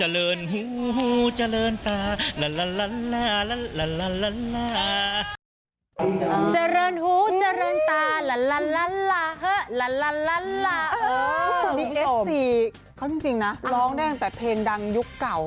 นี่เอฟซีเขาจริงนะร้องได้ตั้งแต่เพลงดังยุคเก่า